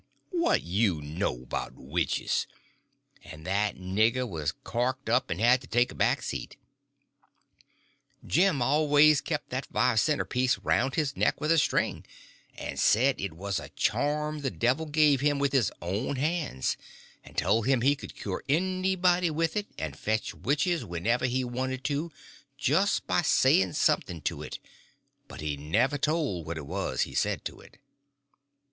What you know 'bout witches?" and that nigger was corked up and had to take a back seat. Jim always kept that five center piece round his neck with a string, and said it was a charm the devil give to him with his own hands, and told him he could cure anybody with it and fetch witches whenever he wanted to just by saying something to it; but he never told what it was he said to it.